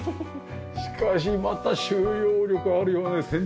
しかしまた収容力あるよね。